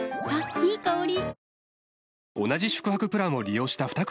いい香り。